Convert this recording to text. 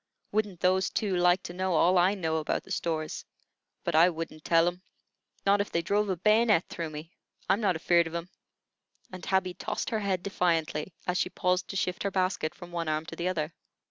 Wouldn't those two like to know all I know about the stores? But I wouldn't tell 'em, not if they drove a bayonet through me. I'm not afeard of 'em;" and Tabby tossed her head defiantly, as she paused to shift her basket from one arm to the other.